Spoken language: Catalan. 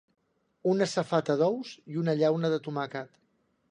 Una safata d'ous i una llauna de tomàquet.